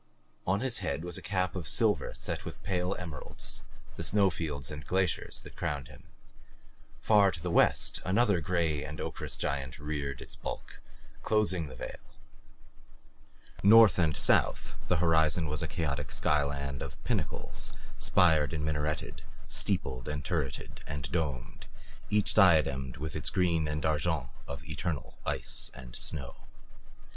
On his head was a cap of silver set with pale emeralds the snow fields and glaciers that crowned him. Far to the west another gray and ochreous giant reared its bulk, closing the vale. North and south, the horizon was a chaotic sky land of pinnacles, spired and minareted, steepled and turreted and domed, each diademed with its green and argent of eternal ice and snow.